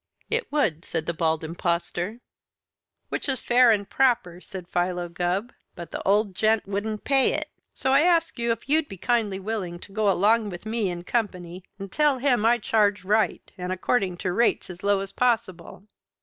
"It would," said the Bald Impostor. "Which is fair and proper," said Philo Gubb, "but the old gent wouldn't pay it. So I ask you if you'd be kindly willing to go to him along with me in company and tell him I charged right and according to rates as low as possible?"